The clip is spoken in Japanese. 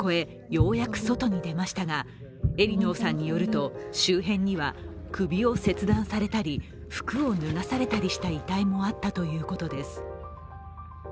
ようやく外に出ましたが、エリノーさんによると、周辺には首を切断されたり、服を脱がされたりした遺体もあったということです。